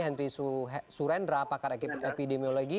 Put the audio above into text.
henry surendra pakar epidemiologi